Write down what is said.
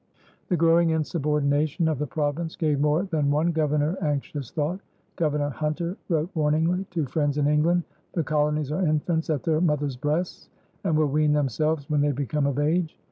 The growing insubordination of the province gave more than one governor anxious thought. Governor Hunter wrote warningly to friends in England: "The colonies are infants at their mother's breasts and will wean themselves when they become of age."